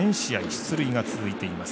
出塁が続いています。